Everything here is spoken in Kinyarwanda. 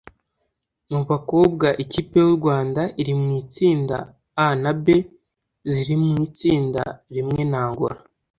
Mu bakobwa ikipe y’u Rwanda iri mu itsinda A na B ziri mu itsinda rimwe na Angola